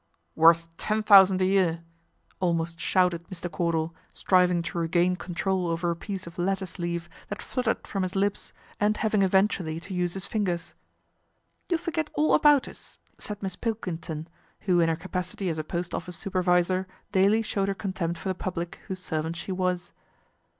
" Worth ten thousand a year," almost shouts i > Mr. Cordal, striving to regain control over a piec ! of lettuce leaf that fluttered from his lips, an having eventually to use his ringers. LORD PETER PROMISES A SOLUTION 97 You'll forget all about us," said Miss Pilking n, who in her capacity as a post office supervisor aily showed her contempt for the public whose rvant she was.